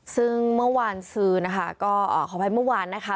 ซึ่งเมื่อวานสื่อนะคะก็ขออภัยเมื่อวานนะคะ